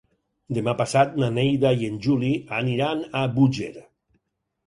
Demà passat na Neida i en Juli aniran a Búger.